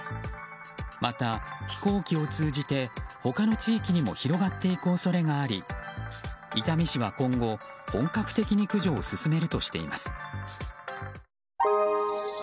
また、飛行機を通じて他の地域にも広がっていく恐れがあり伊丹市は今後、本格的に駆除を進めるとしています。